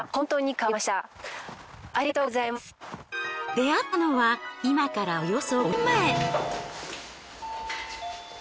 出会ったのは今からおよそ５年前。